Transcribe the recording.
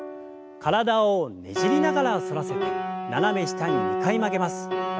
体をねじりながら反らせて斜め下に２回曲げます。